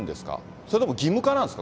それとも義務化なんですか？